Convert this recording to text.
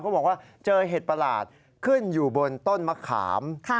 บอกว่าเจอเห็ดประหลาดขึ้นอยู่บนต้นมะขาม